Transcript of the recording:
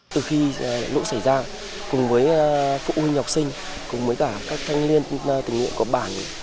từ khi lũ xảy ra cùng với phụ huynh học sinh cùng với cả các thanh niên tình nguyện có bản